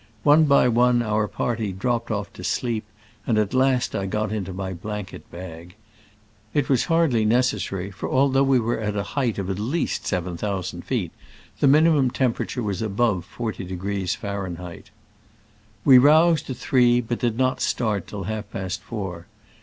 One by one our party dropped off to sleep, and at last I got into my blanket bag. It was hardly necessary, for although we were at a height of at least seven thousand feet, the minimum temperature was above 40° Fahrenheit. We roused at three, but did not start till half past four.